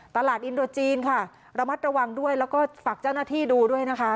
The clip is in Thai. ตลาดอินโดรจีนค่ะระมัดระวังด้วยแล้วก็ฝากเจ้าหน้าที่ดูด้วยนะคะ